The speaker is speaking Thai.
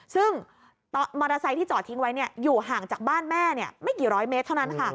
ซึ่งมอเตอร์ไซค์ที่จอดทิ้งไว้อยู่ห่างจากบ้านแม่ไม่กี่ร้อยเมตรเท่านั้นค่ะ